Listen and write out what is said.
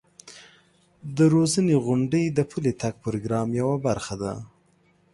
د روزنې غونډې د پلي تګ پروګرام یوه برخه ده.